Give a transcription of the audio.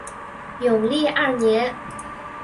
永历二年。